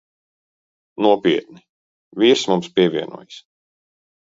Nopietni. Vīrs mums pievienojas.